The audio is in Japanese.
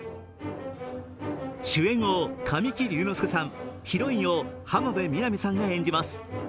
主演を神木隆之介さん、ヒロインを浜辺美波さんが演じます。